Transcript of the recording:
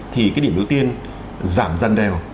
thì cái điểm ưu tiên giảm dần đều